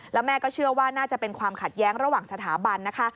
แล้วแม่ก็เชื่อว่าน่าจะเป็นความขัดแย้งระหว่างสถาบันนะคะ